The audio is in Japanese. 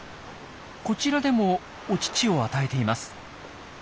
こちらでもお乳を与えています。